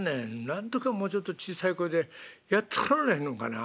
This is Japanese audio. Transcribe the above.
なんとかもうちょっと小さい声でやっとられへんのんかな。